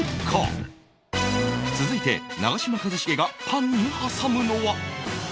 続いて長嶋一茂がパンに挟むのは